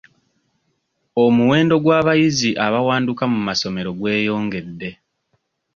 Omuwendo gw'abayizi abawanduka mu masomero gweyongedde.